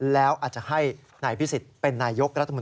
แล้วอาจจะให้นายภิษฎิหญิงเป็นนายยกนาธิพิศิตร